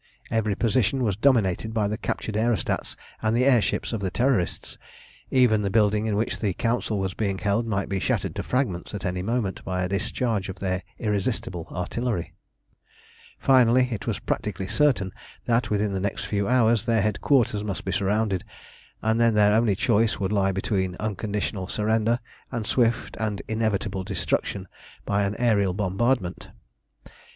Every position was dominated by the captured aerostats and the air ships of the Terrorists. Even the building in which the council was being held might be shattered to fragments at any moment by a discharge of their irresistible artillery. Finally, it was practically certain that within the next few hours their headquarters must be surrounded, and then their only choice would lie between unconditional surrender and swift and inevitable destruction by an aërial bombardment.